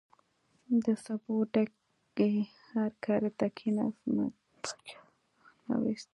د سبو ډکې هرکارې ته کیناست، عثمان جان باچا اه نه ویست.